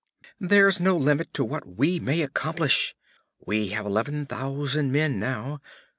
'There's no limit to what we may accomplish! We have eleven thousand men now.